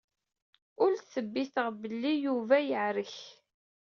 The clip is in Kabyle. Ul tbiteɣ belli Yuba yeɛrek.